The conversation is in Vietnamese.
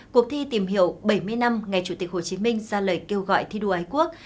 cuộc thi tìm hiểu bảy mươi năm ngày chủ tịch hồ chí minh ra lời kêu gọi thi đua ái quốc